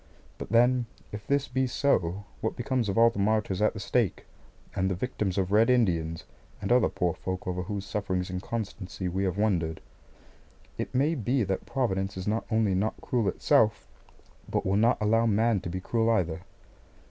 But then if this be so, what becomes of all the martyrs at the stake, and the victims of Red Indians, and other poor folk over whose sufferings and constancy we have wondered? It may be that Providence is not only not cruel itself, but will not allow man to be cruel either.